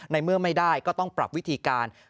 ในเมื่อไม่ได้ก็ต้องปรับวิธีการ